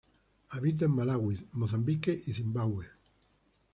Habita en Malaui, Mozambique y Zimbabue.